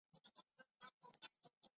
这次好贵